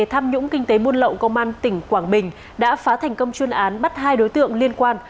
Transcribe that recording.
tham nhũng kinh tế buôn lậu công an tỉnh quảng bình đã phá thành công chuyên án bắt hai đối tượng liên quan